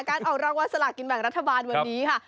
ออกรางวัลสลากินแบ่งรัฐบาลวันนี้ค่ะ